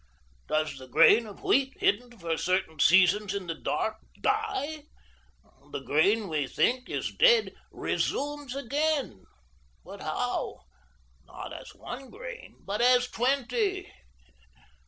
Does the grain of wheat, hidden for certain seasons in the dark, die? The grain we think is dead RESUMES AGAIN; but how? Not as one grain, but as twenty.